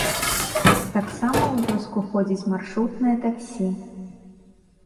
Таксама ў вёску ходзіць маршрутнае таксі.